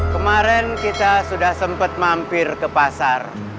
kemaren kita sudah sempet mampir ke pasar